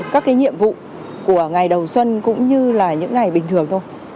các cái nhiệm vụ của ngày đầu xuân cũng như là những ngày bình thường thôi